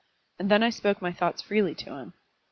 And then I spoke my thoughts freely to him.